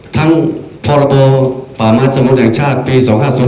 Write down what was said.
ทั้งพรปปมศปี๒๕๐๗